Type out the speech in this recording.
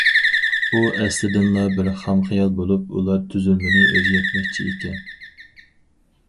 ئۇ ئەسلىدىنلا بىر خام خىيال بولۇپ، ئۇلار تۈزۈلمىنى ئۆزگەرتمەكچى ئىكەن.